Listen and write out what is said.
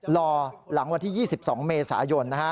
รอหลังวันที่๒๒เมษายนนะฮะ